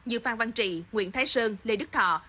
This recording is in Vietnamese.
như phan văn trị nguyễn thái sơn lê đức thọ